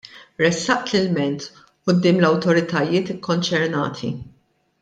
Ressaqt l-ilment quddiem l-awtoritajiet kkonċernati.